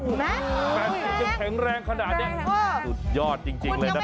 ๘๐ยังแข็งแรงขนาดนี้สุดยอดจริงเลยนะครับ